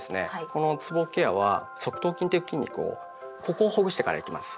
このつぼケアは側頭筋という筋肉をここをほぐしてからいきます。